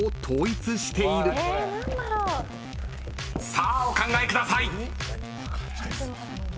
［さあお考えください］